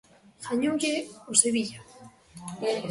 Gañoulle ao Sevilla.